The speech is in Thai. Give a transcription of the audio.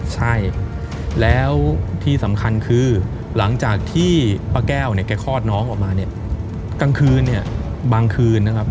ใช่แล้วที่สำคัญคือหลังจากที่ป้าแก้วเนี่ยแกคลอดน้องออกมาเนี่ยกลางคืนเนี่ยบางคืนนะครับ